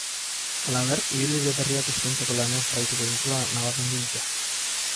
Halaber, ibilbide berriak eskaintzeko lanean jarraituko dutela nabarmendu dute.